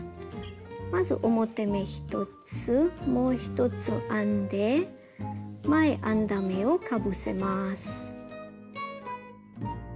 まず表目１つもう一つ編んで前編んだ目をかぶせます。